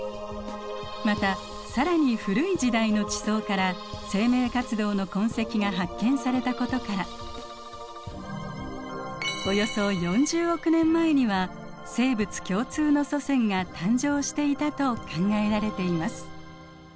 また更に古い時代の地層から生命活動の痕跡が発見されたことからおよそ４０億年前には生物共通の祖先が誕生していたと考えられています。